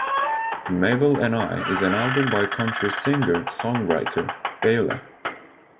"Mabel and I" is an album by country singer-songwriter Beulah.